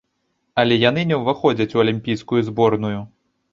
Але яны не ўваходзяць у алімпійскую зборную.